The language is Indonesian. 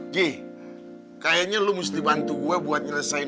j kayaknya lo mesti bantu gue buat nyelesain